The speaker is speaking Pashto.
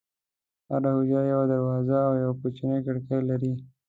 هره حجره یوه دروازه او یوه کوچنۍ کړکۍ لري.